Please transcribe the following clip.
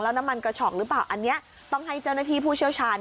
น้ำมันกระฉอกหรือเปล่าอันนี้ต้องให้เจ้าหน้าที่ผู้เชี่ยวชาญ